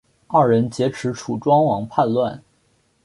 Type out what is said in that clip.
二人劫持楚庄王叛乱。